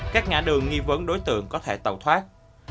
các ngã đường nghi vấn đối tượng có thể tẩu thoát